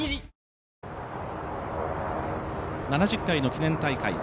７０回の記念大会